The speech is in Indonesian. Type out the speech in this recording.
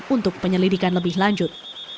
untuk penyelidikan lebih lanjut